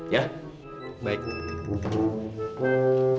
sampai pulang sekolah